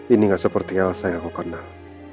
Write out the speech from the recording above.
ini gak seperti elsa yang aku kenal